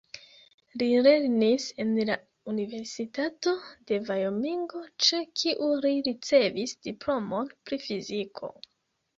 Li lernis en la Universitato de Vajomingo, ĉe kiu li ricevis diplomon pri fiziko.